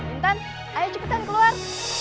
intan ayo cepetan keluar